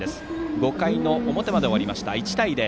５回の表まで終わって１対０。